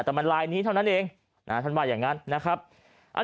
แต่มันลายนี้เท่านั้นเองท่านว่าอย่างนั้น